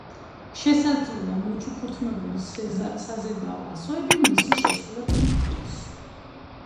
შესაძლოა მოჩუქურთმებული საზედაო ასოები მისი შესრულებული იყოს.